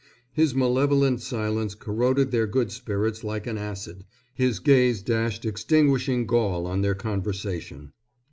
His malevolent silence corroded their good spirits like an acid, his gaze dashed extinguishing gall on their conversation.